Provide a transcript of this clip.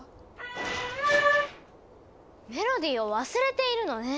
「パーア」メロディーを忘れているのね。